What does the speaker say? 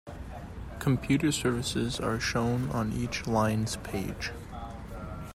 Commuter services are shown on each line's page.